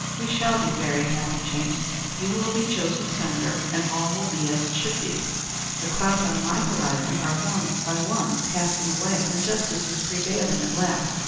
"We shall be very happy, James. You will be chosen Senator, and all will be as it should be. The clouds on my horizon are one by one passing away, and justice is prevailing at last.